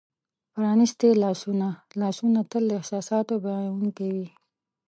پرانیستي لاسونه : لاسونه تل د احساساتو بیانونکي وي.